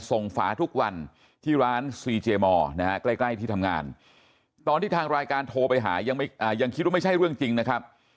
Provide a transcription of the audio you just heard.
ฝาทุกวันที่ร้านซีเจมอร์นะฮะใกล้ที่ทำงานตอนที่ทางรายการโทรไปหายังคิดว่าไม่ใช่เรื่องจริงนะครับ